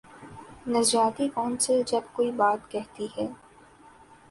نظریاتی کونسل جب کوئی بات کہتی ہے۔